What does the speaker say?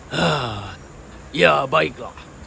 hehehe ya baiklah